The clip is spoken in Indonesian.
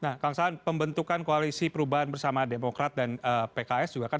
nah kang saan pembentukan koalisi perubahan bersama demokrat dan pks juga kan